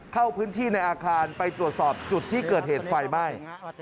เข้าพื้นที่ในอาคารไปตรวจสอบจุดที่เกิดเหตุไฟไหม้